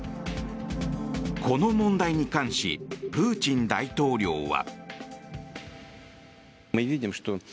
この問題に関しプーチン大統領は。